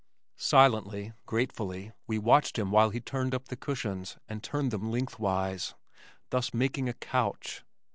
Silently, gratefully we watched him while he took up the cushions and turned them lengthwise, thus making a couch.